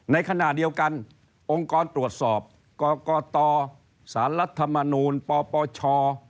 ในขณะเดียวกันองค์กรตรวจสอบกกตสารรัฐมนูลปปช